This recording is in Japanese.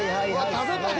食べたい！